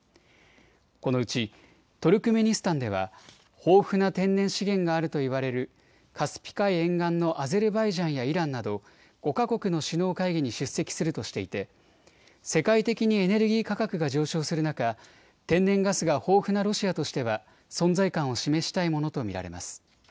このうちトルクメニスタンでは豊富な天然資源があるといわれるカスピ海沿岸のアゼルバイジャンやイランなど５か国の首脳会議に出席するとしていて世界的にエネルギー価格が上昇する中、天然ガスが豊富なロシアとしては存在感を示したいものと見られます。